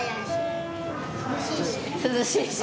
涼しいし？